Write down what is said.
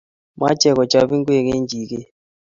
meche kochop ngwek eng' jiket